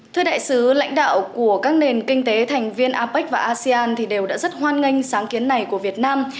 thưa đại sứ lãnh đạo của các nền kinh tế thành viên apec và asean đều đã rất hoan nghênh sáng kiến này của việt nam